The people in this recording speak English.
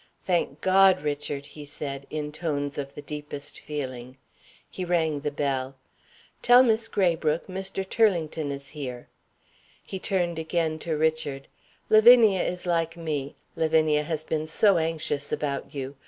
"Thank God, Richard!" he said, in tones of the deepest feeling. He rang the bell. "Tell Miss Graybrooke Mr. Turlington is here." He turned again to Richard. "Lavinia is like me Lavinia has been so anxious about you.